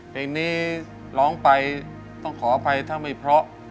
เพลงนี้ร้องไปต้องขออภัยถ้าไม่เพราะ